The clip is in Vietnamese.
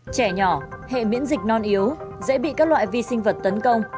trẻ nhỏ hệ miễn dịch non yếu dễ bị các loại vi sinh vật tấn công